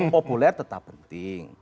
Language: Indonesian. populer tetap penting